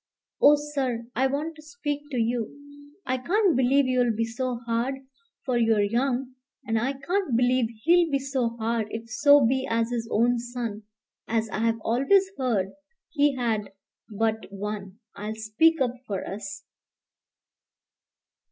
"Oh, sir, I want to speak to you! I can't believe you'll be so hard, for you're young; and I can't believe he'll be so hard if so be as his own son, as I've always heard he had but one, 'll speak up for us.